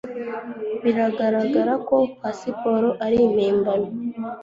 Biragaragara ko pasiporo ari impimbano